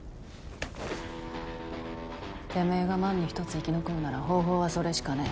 てめぇが万に一つ生き残るなら方法はそれしかねぇ。